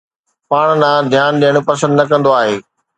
پاڻ ڏانهن ڌيان ڏيڻ پسند نه ڪندو آهي